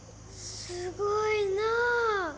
すごいなあ。